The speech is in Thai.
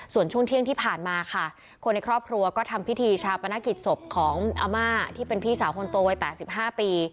ส่วนช่วงเที่ยงที่ผ่านมาค่ะคนในครอบครัวก็ทำพิธีชาปนกิจศพของอาม่าที่เป็นพี่สาวคนโตวัย๘๕ปี